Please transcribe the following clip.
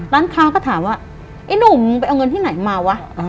ร้านค้าก็ถามว่าไอ้หนุ่มมึงไปเอาเงินที่ไหนมาวะ